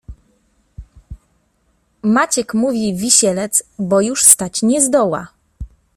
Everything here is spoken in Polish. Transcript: Maciek mówi wisielec, bo już stać nie zdoła